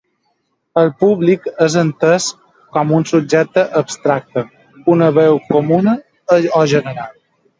El públic és entès com un subjecte abstracte, una veu comuna o general.